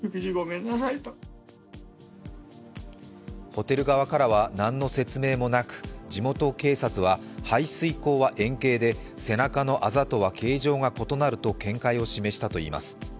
ホテル側からは何の説明もなく、地元警察は排水溝は円形で背中のあざとは形状がことなるとの見解を示したといいます。